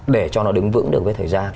để cho nó đứng vững được với thời gian